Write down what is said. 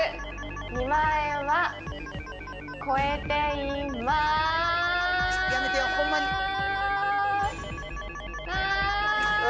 ２万円は超えていまます！